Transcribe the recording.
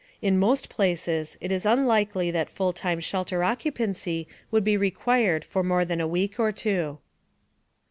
In most places, it is unlikely that full time shelter occupancy would be required for more than a week or two.